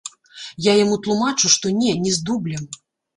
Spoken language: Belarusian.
Я яму тлумачу, што не, не з дублем.